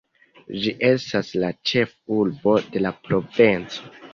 Ĝi estas la ĉefurbo de la provinco.